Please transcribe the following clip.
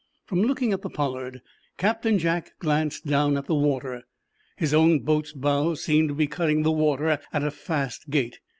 From looking at the "Pollard" Captain Jack glanced down at the water. His own boat's bows seemed to be cutting the water at a fast gait.